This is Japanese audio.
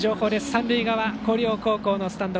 三塁側、広陵高校のスタンド